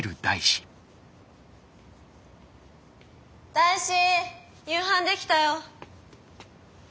大志夕飯できたよ。